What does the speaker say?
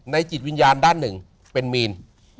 จิตวิญญาณด้านหนึ่งเป็นมีน